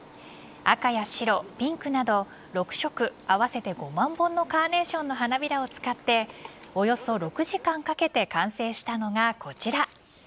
赤や白、ピンクなど６色合わせて５万本のカーネーションの花びらを使っておよそ６時間かけて完成したのがこちら。